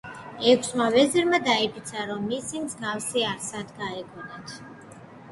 ექვსმა ვეზირმა დაიფიცა, რომ მისი მსგავსი არსად გაეგონათ.